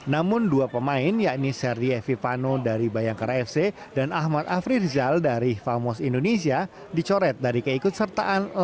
namun dua pemain yakni seri fipano dari bayangkara fc dan ahmad afrizal dari famos indonesia di sini